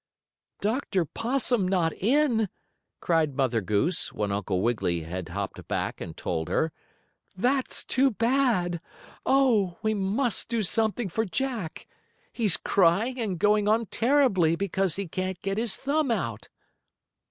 "Dr. Possum not in!" cried Mother Goose, when Uncle Wiggily had hopped back and told her. "That's too bad! Oh, we must do something for Jack. He's crying and going on terribly because he can't get his thumb out."